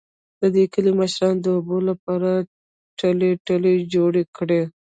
د کلي مشرانو د اوبو لپاره ټلۍ ټلۍ جوړې کړې